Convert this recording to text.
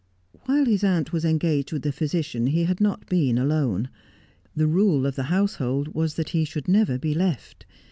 While his aunt was engaged with the physician he had not been alone. The rule of the household was that he should never be left.